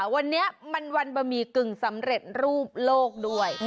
วันนี้มันวันบะหมี่กึ่งสำเร็จรูปโลกด้วย